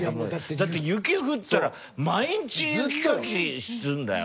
だって雪降ったら毎日雪かきするんだよ。